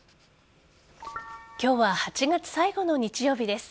今日は８月最後の日曜日です。